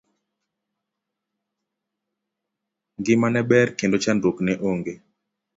Ngima ne ber kendo chandruok ne onge.